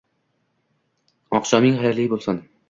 Oqshoming xayrli bo‘lsin!